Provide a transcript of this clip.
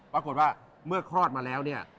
ปรากฏว่าเมื่อคลอดมาแล้วเนี่ย